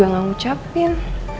andi juga gak ngucapin